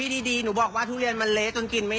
ดูคลิปกันก่อนนะครับแล้วเดี๋ยวมาเล่าให้ฟังนะครับ